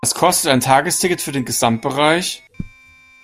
Was kostet ein Tagesticket für den Gesamtbereich?